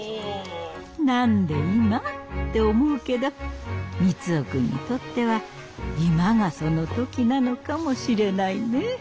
何で今？って思うけど三生君にとっては今がその時なのかもしれないね。